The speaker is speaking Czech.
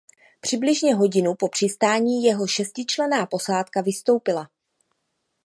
Přibližně hodinu po přistání jeho šestičlenná posádka vystoupila.